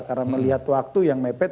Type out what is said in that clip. karena melihat waktu yang mepet